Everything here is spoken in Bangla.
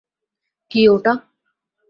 কি ওটা?